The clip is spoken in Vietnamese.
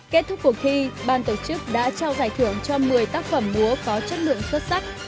kết thúc cuộc thi ban tổ chức đã trao giải thưởng cho một mươi tác phẩm múa có chất lượng xuất sắc